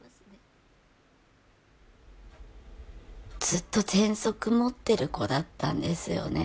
ずっとぜんそく持ってる子だったんですよね。